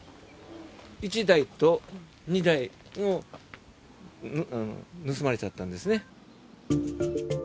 １台と２台も、盗まれちゃったんですね。